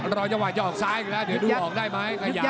รอจังหวะจะออกซ้ายอีกแล้วเดี๋ยวดูออกได้ไหม